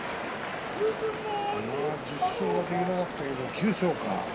１０勝できなかったけど９勝か。